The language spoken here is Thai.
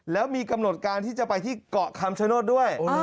แล้วมีกำหนดการที่จะไปที่เกาะคำชโนธด้วย